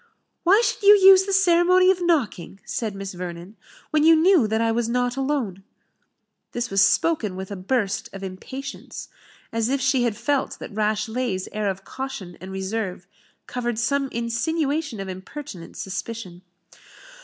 "Why should you use the ceremony of knocking," said Miss Vernon, "when you knew that I was not alone?" This was spoken with a burst of impatience, as if she had felt that Rashleigh's air of caution and reserve covered some insinuation of impertinent suspicion.